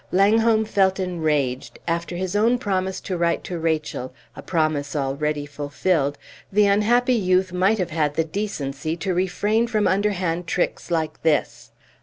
Langholm felt enraged; after his own promise to write to Rachel, a promise already fulfilled, the unhappy youth might have had the decency to refrain from underhand tricks like this.